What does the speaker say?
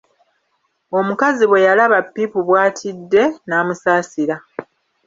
Omukazi bwe yalaba pipu bw'atidde n'amusaasira.